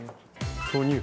投入！